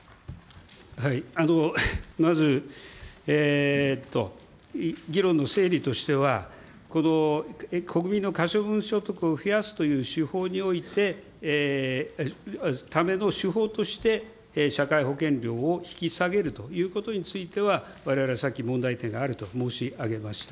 まず議論の整備としては、国民の可処分所得を増やすという手法において、ための手法として、社会保険料を引き下げるということについては、われわれはさっき、問題点があると申し上げました。